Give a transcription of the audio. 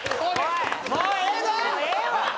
おいもうええわ！